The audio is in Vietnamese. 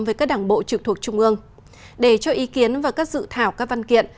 với các đảng bộ trực thuộc trung ương để cho ý kiến và các dự thảo các văn kiện